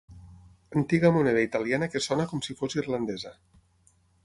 Antiga moneda italiana que sona com si fos irlandesa.